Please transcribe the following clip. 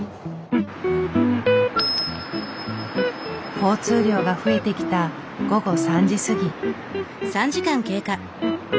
交通量が増えてきた午後３時過ぎ。